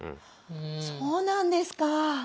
「そうなんですか」。